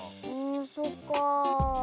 そっかあ。